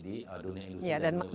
di dunia industri dan perusahaan